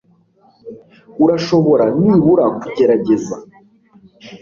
Urashobora nibura kugerageza